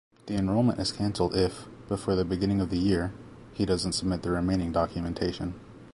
The enrollment is cancelled if, before the beginning of the year, he doesn’t submit the remaining documentation.